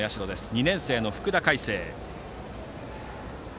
２年生の福田海晴。